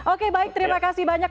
oke baik terima kasih banyak